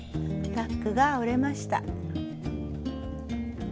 タックが折れました。